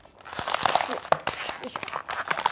よいしょ。